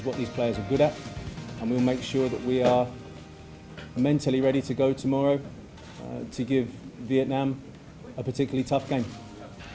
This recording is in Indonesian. dan kita akan memastikan bahwa kita sudah siap untuk pergi besok untuk memberikan vietnam pertandingan yang sangat sukar